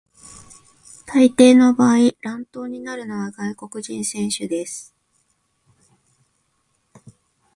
大抵の場合、乱闘になるのは外国人選手です。